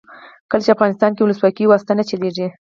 کله چې افغانستان کې ولسواکي وي واسطه نه چلیږي.